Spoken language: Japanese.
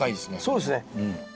そうですね。